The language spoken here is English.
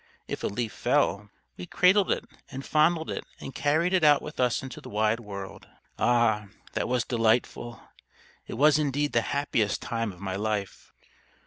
If a leaf fell, we cradled it and fondled it and carried it out with us into the wide world. Ah, that was delightful! It was indeed the happiest time of my life."